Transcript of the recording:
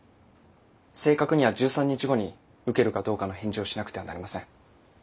正確には１３日後に受けるかどうかの返事をしなくてはなりません。